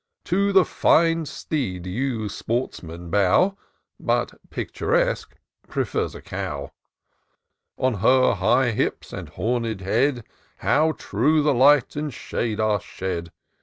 To the fine steed you sportsmen bow, But Picturesque prefers a cow ; On her high hips and homed head How true the light and shade fire shed